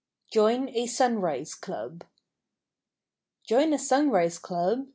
JOIN A SUNRISE CLUB. Join a sunrise club?